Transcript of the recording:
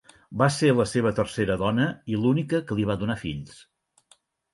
Va ser la seva tercera dona i l'única que li va donar fills.